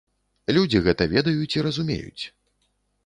Людзі гэта ведаюць і разумеюць.